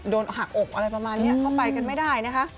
โดนหักอกอะไรประมาณนี้เข้าไปกันไม่ได้นะคะ